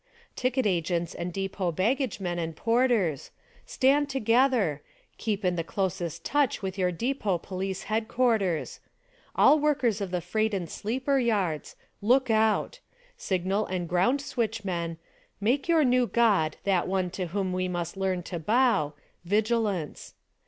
Ticket agents and depot baggagemen and porters: Stand together! Keep in the closest touch with your depot Police Headquarters ! All workers of the freight and sleeper yards : Look out ! Signal and ground switchmen : Make your new God that one to whom we must learn to bow—Vigilance